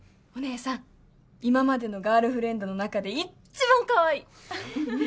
お姉さん今までのガールフレンドの中で一番カワイイ。